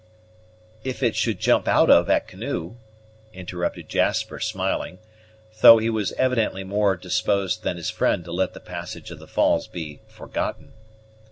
"If it should jump out of at canoe," interrupted Jasper, smiling, though he was evidently more disposed than his friend to let the passage of the falls be forgotten.